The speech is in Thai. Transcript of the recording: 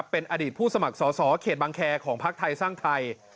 เป็นอดีตผู้สมัครสอสอเขตบังแคร์ของพักไทยสร้างไทย